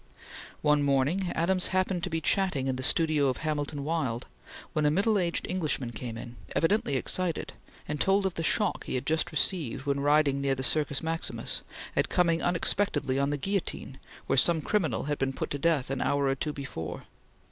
One morning, Adams happened to be chatting in the studio of Hamilton Wilde, when a middle aged Englishman came in, evidently excited, and told of the shock he had just received, when riding near the Circus Maximus, at coming unexpectedly on the guillotine, where some criminal had been put to death an hour or two before.